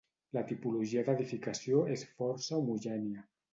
La tipologia d'edificació és força homogènia.